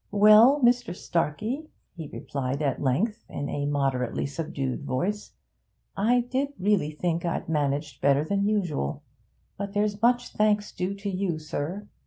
'Well, Mr. Starkey,' he replied at length in a moderately subdued voice, 'I did really think I'd managed better than usual. But there's much thanks due to you, sir.